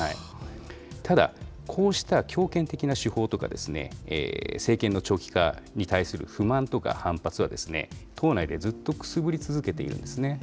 ただ、こうした強権的な手法とか、政権の長期化に対する不満とか反発は、党内でずっとくすぶり続けているんですね。